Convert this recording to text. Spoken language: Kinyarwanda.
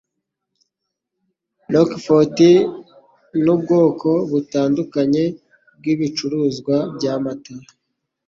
Roquefort nubwoko butandukanye bwibicuruzwa byamata